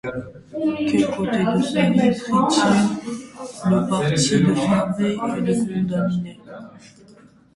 Quel côté de sa vie prit-il le parti de fermer et de condamner?